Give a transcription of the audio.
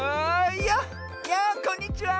いやこんにちは！